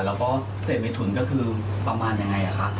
แล้วก็เสร็จใบถุญก็คือประมาณยังไงอะค่ะ